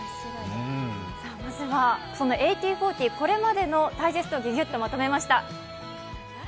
まずは、その「１８／４０」、これまでのダイジェストをギュギュッとまとめました。